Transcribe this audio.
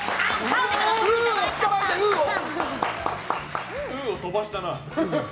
うを飛ばしたな。